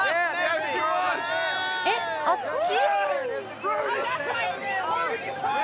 えっあっち？